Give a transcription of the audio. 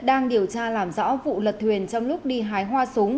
đang điều tra làm rõ vụ lật thuyền trong lúc đi hái hoa súng